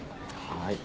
はい。